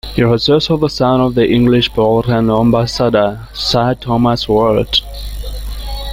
He was also the son of the English poet and ambassador Sir Thomas Wyatt.